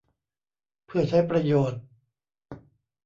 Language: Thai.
เพื่อใช้ประโยชน์